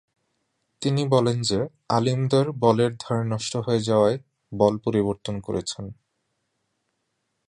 তিনি বলেন যে, আলীম দার বলের ধার নষ্ট হয়ে যাওয়ায় বল পরিবর্তন করেছেন।